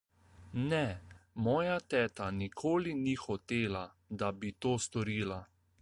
Ne, moja teta nikoli ni hotela, da bi to storila.